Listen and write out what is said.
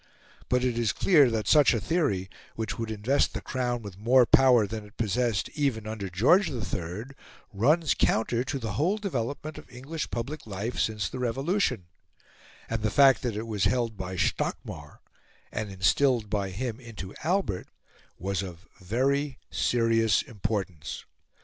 But it is clear that such a theory, which would invest the Crown with more power than it possessed even under George III, runs counter to the whole development of English public life since the Revolution; and the fact that it was held by Stockmar, and instilled by him into Albert, was of very serious importance.